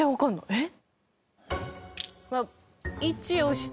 えっ？